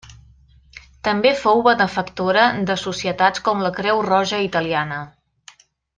També fou benefactora de societats com la Creu Roja italiana.